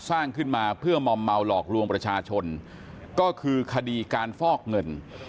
สร้างขึ้นมาเพื่อมอมเมาหลอกลวงประชาชนก็คือคดีการฟอกเงิน